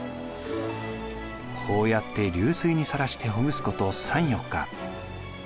こうやって流水にさらしてほぐすこと３４日。